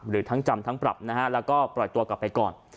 หรือทั้งจำทั้งปรับนะฮะแล้วก็ปล่อยตัวกลับไปก่อน